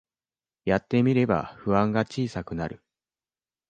やってみれば不安が小さくなる